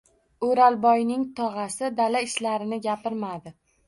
O’rolboyning tog‘asi dala ishlarini gapirmadi.